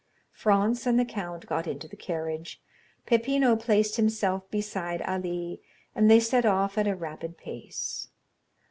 Franz and the count got into the carriage. Peppino placed himself beside Ali, and they set off at a rapid pace.